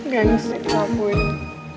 gansik abu ini